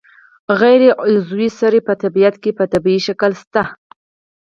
غیر عضوي سرې په طبیعت کې په طبیعي شکل شته دي.